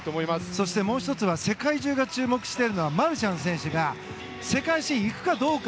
そして、もう１つは世界中が注目しているのはマルシャン選手が世界新、行くかどうか。